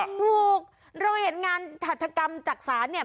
ถูกเราเห็นงานหัฐกรรมจักษานเนี่ย